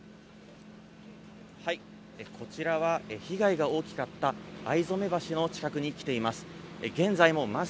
こちらは被害が大きかった逢初橋の近くに来ています。